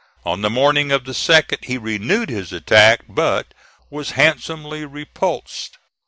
On the morning of the 2d he renewed his attack, but was handsomely repulsed.